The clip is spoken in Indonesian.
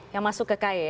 yang masuk ke ky ya